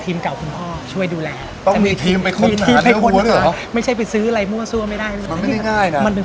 ทำไมไม่ใช้แวร์ต้อง๑๐ปี